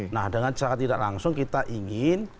nah dengan cara tidak langsung kita ingin